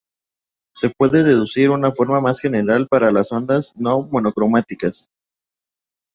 Se puede deducir una forma más general para las ondas no monocromáticas.